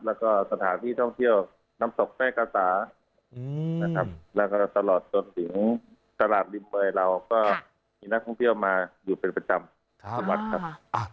แล้วก็สถานที่ท่องเที่ยวน้ำตกแทรกะสานะครับแล้วก็ตลอดจนถึงตลาดริมเวยเราก็มีนักท่องเที่ยวมาอยู่เป็นประจำทุกวันครับ